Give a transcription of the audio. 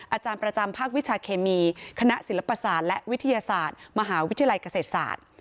อาจารย์ประจำภาควิชาเคมีคณะศิลปศาสตร์และวิทยาศาสตร์มหาวิทยาลัยเกษตรศาสตร์